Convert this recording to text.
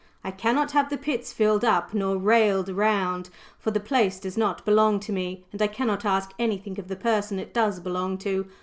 I cannot have the pits filled up nor railed round, for the place does not belong to me, and I cannot ask anything of the person it does belong to.